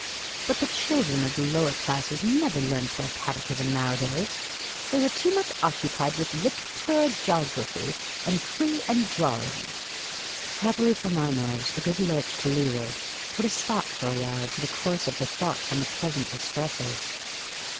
But the children of the lower classes never learnt their cate chism nowadays ; they were too much occupied with litera toor, jography, and free 'and drawrin'. Happily for my nerves, a good lurch to leeward put a stop for a while to the course of her thoughts on the present distresses.